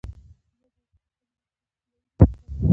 څومره به ئې په خپلو مجالسو كي ويلي وي چې دا ليونيان